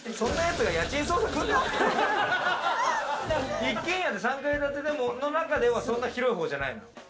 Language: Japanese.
一軒家で３階建ての中では、そんなに広いほうじゃない。